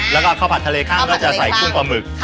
แล้วก็ข้าวผัดทะเลข้ามก็จะใส่กุ้งปลาหมึก